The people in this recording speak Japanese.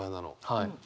はい。